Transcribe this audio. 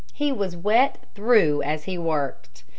He was wet through as he worked.